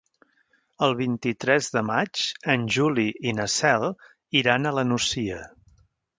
El vint-i-tres de maig en Juli i na Cel iran a la Nucia.